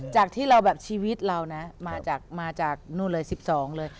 จากที่ชีวิตเรานะมาจาก๑๒เลย